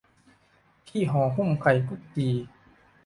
ที่ห่อหุ้มไข่กุดจี่